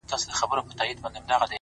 دا نه منم چي صرف ټوله نړۍ كي يو غمى دی’